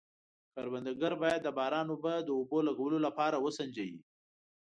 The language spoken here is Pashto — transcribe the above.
کروندګر باید د باران اوبه د اوبو لګولو لپاره وسنجوي.